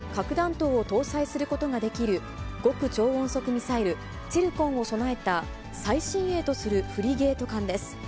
ロシア軍が実戦配備したのは、核弾頭を搭載することができる極超音速ミサイルツィルコンを備えた最新鋭とするフリゲート艦です。